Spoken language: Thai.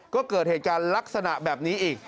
ก็เกิดเหตุการณ์ลักษณะแบบนี้อีก